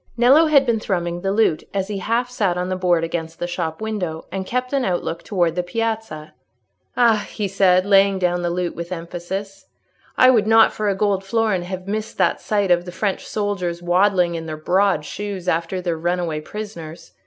Nello had been thrumming the lute as he half sat on the board against the shop window, and kept an outlook towards the piazza. "Ah," he said, laying down the lute, with emphasis, "I would not for a gold florin have missed that sight of the French soldiers waddling in their broad shoes after their runaway prisoners!